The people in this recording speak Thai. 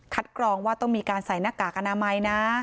กรองว่าต้องมีการใส่หน้ากากอนามัยนะ